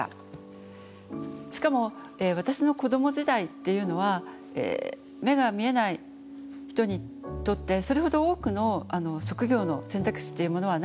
しかも私の子ども時代っていうのは目が見えない人にとってそれほど多くの職業の選択肢っていうものはなかったんですね。